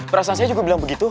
perasaan saya juga bilang begitu